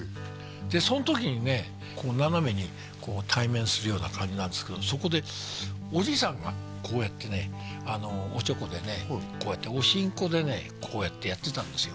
でそん時にねこう斜めに対面するような感じなんですけどそこでおじいさんがこうやってねおちょこでねこうやっておしんこでねこうやってやってたんですよ